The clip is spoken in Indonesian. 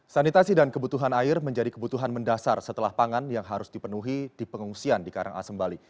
sanitasi dan kebutuhan air menjadi kebutuhan mendasar setelah pangan yang harus dipenuhi di pengungsian di karangasem bali